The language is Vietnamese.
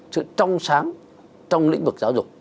sự trong sáng trong lĩnh vực giáo dục